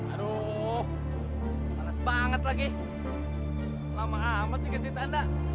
aduh malas banget lagi lama amat sih ke cintanda